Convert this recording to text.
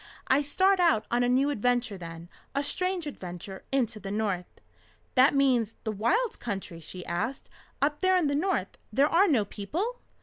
I start out on a new adventure then a strange adventure, into the North." "That means the wild country?" she asked. "Up there in the North there are no people?"